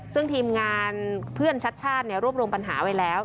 ซึ่งทีมงานเพื่อนชัดชาติรวบรวมปัญหาไว้แล้ว